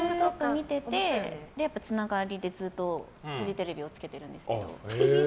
見ててつながりでずっとフジテレビをつけてるんですけど。